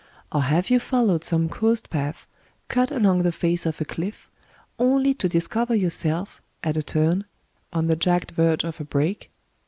Or have you followed some coast path, cut along the face of a cliff, only to discover yourself, at a turn, on the jagged verge of a break ?